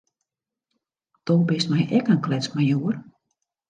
Do bist my ek in kletsmajoar.